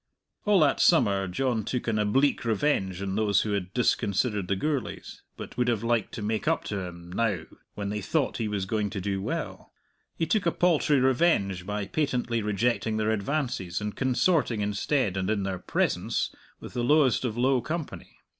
All that summer John took an oblique revenge on those who had disconsidered the Gourlays, but would have liked to make up to him now when they thought he was going to do well he took a paltry revenge by patently rejecting their advances and consorting instead, and in their presence, with the lowest of low company.